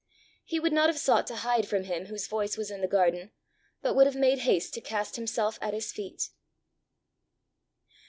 He would not have sought to hide from him whose voice was in the garden, but would have made haste to cast himself at his feet.